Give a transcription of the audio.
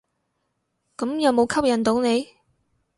咁有無吸引到你？